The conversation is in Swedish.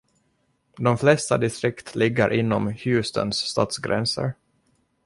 De flesta distrikt ligger inom Houstons stadsgränser.